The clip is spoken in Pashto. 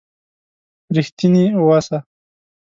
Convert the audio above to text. رښتيني وسه.